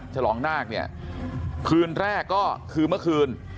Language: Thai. ฉลองนาคเนี่ยคืนแรกก็คือเมื่อคืน